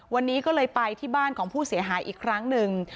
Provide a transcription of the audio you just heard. วันนี้ก็เลยไปที่บ้านของผู้เสียหายอีกครั้งหนึ่ง